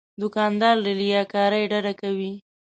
دوکاندار له ریاکارۍ ډډه کوي.